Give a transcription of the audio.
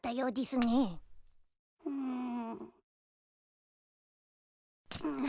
うん。